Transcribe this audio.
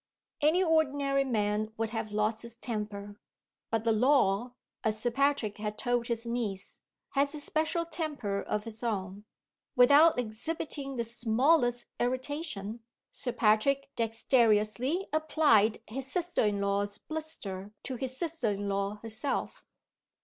Any ordinary man would have lost his temper. But the law (as Sir Patrick had told his niece) has a special temper of its own. Without exhibiting the smallest irritation, Sir Patrick dextrously applied his sister in law's blister to his sister in law herself.